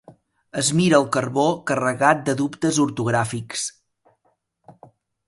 Es mira el carbó carregat de dubtes ortogràfics.